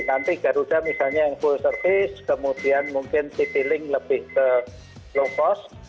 nanti garuda misalnya yang full service kemudian mungkin citylink lebih ke low cost